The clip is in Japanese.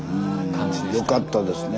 うんよかったですね